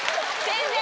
先生！